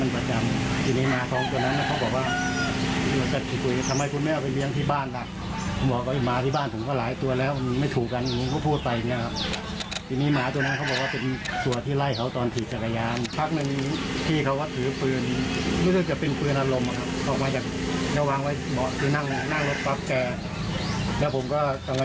ฟังเสียงควรเห็นเหตุการณ์หน่อยค่ะ